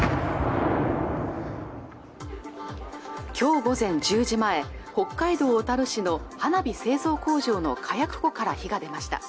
今日午前１０時前北海道小樽市の花火製造工場の火薬庫から火が出ました